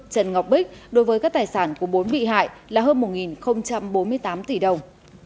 trần ngọc bích đối với các tài sản của bốn bị hại là hơn một bốn mươi tám tỷ đồng